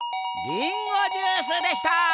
リンゴジュースでした。